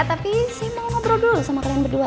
tapi si mau ngobrol dulu sama kalian berdua